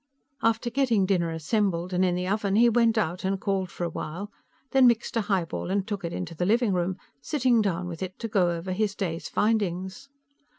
After getting dinner assembled and in the oven, he went out and called for a while, then mixed a highball and took it into the living room, sitting down with it to go over his day's findings.